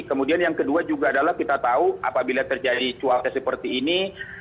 kemudian yang kedua juga adalah kita tahu apabila terjadi cuaca seperti ini